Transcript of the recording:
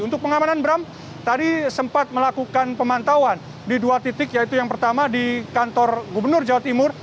untuk pengamanan bram tadi sempat melakukan pemantauan di dua titik yaitu yang pertama di kantor gubernur jawa timur